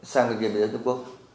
sang địa bàn dân dân quốc